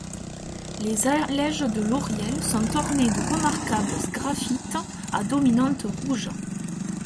Les allèges de l'oriel sont ornées de remarquables sgraffites à dominante rouge.